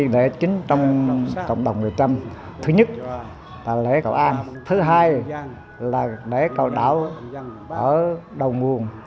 lễ chính trong cộng đồng người trăm thứ nhất là lễ cầu an thứ hai là lễ cầu đảo ở đầu nguồn